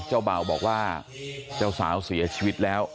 เบาบอกว่าเจ้าสาวเสียชีวิตแล้ว